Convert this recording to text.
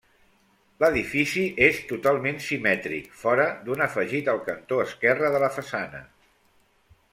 L'edifici és totalment simètric fora d'un afegit al cantó esquerre de la façana.